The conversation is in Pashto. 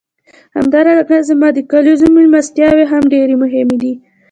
همدارنګه زما د کلیزو میلمستیاوې هم ډېرې مهمې دي.